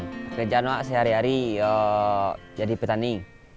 pekerjaan wak sehari hari ya jadi petani